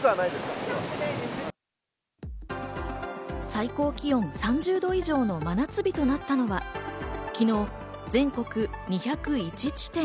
最高気温３０度以上の真夏日となったのは、昨日、全国２０１地点。